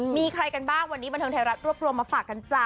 มีใครกันบ้างวันนี้บันเทิงไทยรัฐรวบรวมมาฝากกันจ้ะ